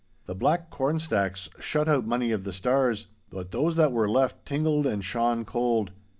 The black corn stacks shut out many of the stars, but those that were left tingled and shone cold.